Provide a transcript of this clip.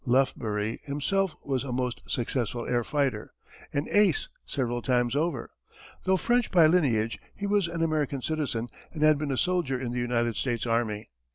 Lufbery himself was a most successful air fighter an "ace" several times over. Though French by lineage, he was an American citizen and had been a soldier in the United States Army.